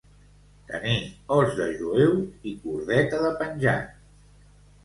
Tenir os de jueu i cordeta de penjat.